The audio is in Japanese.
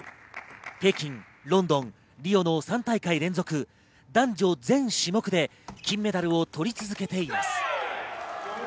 北京、ロンドン、リオの３大会連続、男女全種目で金メダルを取り続けています。